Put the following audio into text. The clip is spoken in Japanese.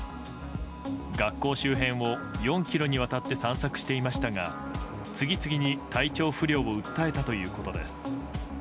学校周辺を４ｋｍにわたって散策していましたが次々に体調不良を訴えたということです。